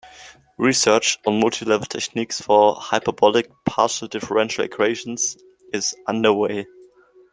Research on multilevel techniques for hyperbolic partial differential equations is underway.